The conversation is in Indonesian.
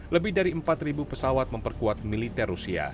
lebih dari empat pesawat memperkuat militer rusia